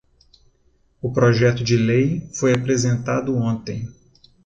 O projeto de lei foi apresentado ontem